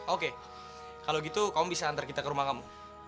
oke kalau gitu kamu bisa antar kita ke rumah kamu